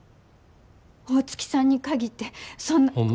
大月さんに限ってそんな。